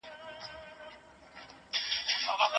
زه به د سبا لپاره د کور کارونه کړي وي.